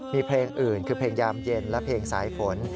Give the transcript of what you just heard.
มีเพลงอื่นคือเพลงยามเย็นและเพลงสายฝน